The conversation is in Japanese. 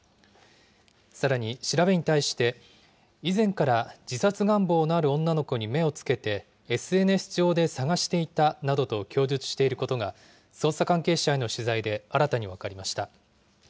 さらに調べに対して、以前から自殺願望のある女の子に目をつけて、ＳＮＳ上で探していたなどと供述していることが、捜査関係者への取材で新たに分かりました。